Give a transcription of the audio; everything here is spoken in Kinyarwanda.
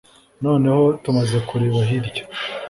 Noneho tumaze kureba hirya